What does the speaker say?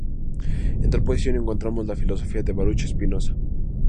En tal posición encontramos la filosofía de Baruch Spinoza.